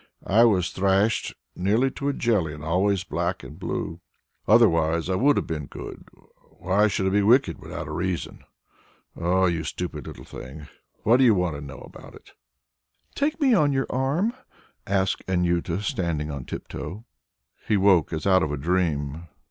I was thrashed nearly to a jelly, and always black and blue. Otherwise I would have been good; why should I be wicked without a reason? Oh, you stupid little thing, what do you know about it?" "Take me on your arm," asked Anjuta, standing on tiptoe. He awoke as out of a dream.